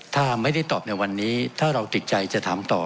ถ้าไม่ได้ตอบในวันนี้ถ้าเราติดใจจะถามต่อ